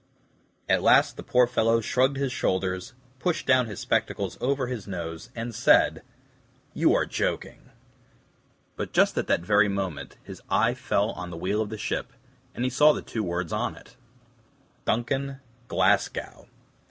At last the poor fellow shrugged his shoulders, pushed down his spectacles over his nose and said: "You are joking." But just at that very moment his eye fell on the wheel of the ship, and he saw the two words on it: Duncan. Glasgow.